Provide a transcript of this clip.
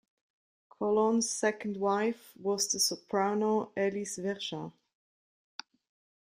Colonne's second wife was the soprano Elise Vergin.